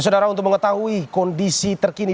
saudara untuk mengetahui kondisi terkini